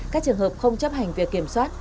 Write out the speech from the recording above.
các trường hợp không chấp hành việc kiểm soát